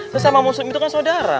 sesama muslim itu kan saudara